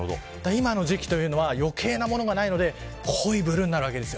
今の時期は余計なものがないので濃いブルーになるわけです。